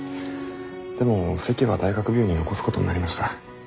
でも籍は大学病院に残すことになりました。